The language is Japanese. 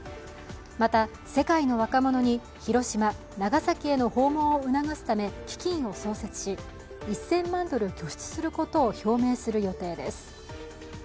また、世界の若者に広島・長崎への訪問を促すため基金を創設し、１０００万円ドル拠出することを表明する予定です。